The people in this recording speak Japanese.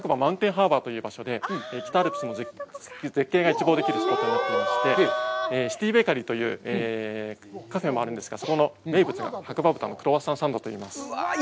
ハーバーで、北アルプスの絶景が一望できるスポットになっていまして、シティーベーカリーというあるんですが、そこの名物が白馬豚のクロワッサンサンドといいます。